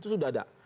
itu sudah ada